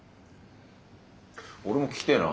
俺も聞きてえな。